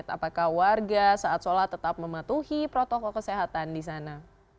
apakah warga saat sholat tetap mematuhi protokol kesehatan di sana